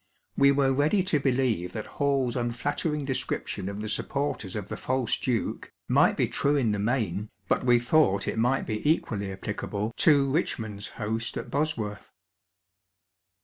We were ready to believe that HalPs unflattering description of the supporters of '^ the false duke'' might be true in the main, but we thought it might be equally applicable to Bichmond's host at Bosworth.